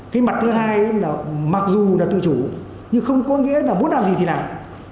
cái mặt thứ hai là mặc dù là tự chủ nhưng không có nghĩa là muốn làm gì thì làm